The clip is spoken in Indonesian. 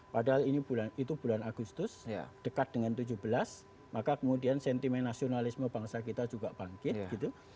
padahal ini itu bulan agustus dekat dengan tujuh belas maka kemudian sentimen nasionalisme bangsa kita juga bangkit gitu